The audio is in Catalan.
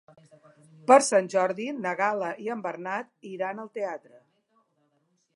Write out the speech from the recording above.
Per Sant Jordi na Gal·la i en Bernat iran al teatre.